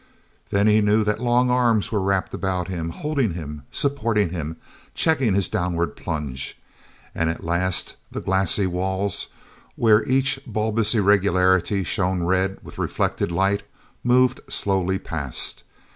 Then he knew that long arms were wrapped about him, holding him, supporting him, checking his downward plunge ... and at last the glassy walls, where each bulbous irregularity shone red with reflected light, moved slowly past.